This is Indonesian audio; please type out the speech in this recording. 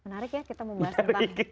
menarik ya kita membahas tentang